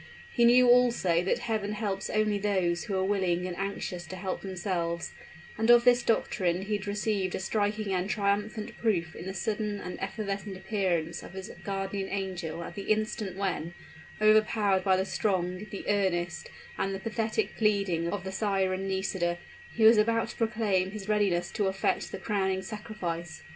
He knew also that Heaven helps only those who are willing and anxious to help themselves; and of this doctrine he had received a striking and triumphant proof in the sudden and evanescent appearance of his guardian angel at the instant when, overpowered by the strong, the earnest, and the pathetic pleading of the siren Nisida, he was about to proclaim his readiness to effect the crowning sacrifice.